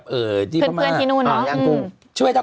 เพื่อนที่นู่นอ๋อยังกุ้ง